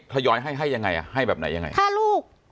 ทยอยให้ให้ยังไงอ่ะให้แบบไหนยังไงฆ่าลูก